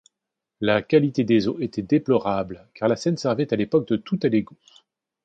La qualité des eaux était déplorable car la Seine servait à l'époque de tout-à-l'égout.